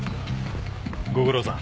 ご苦労さん。